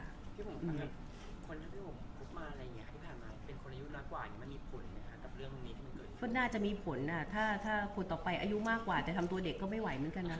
ด้วยความเป็นคนอายุมากแผนน่าจะมีผลอะถ้าคนต่อไปอายุมากกว่าแต่ทำตัวเด็กก็ไม่ไหวเหมือนกันนะครับ